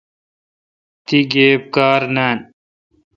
تی گیب کار نان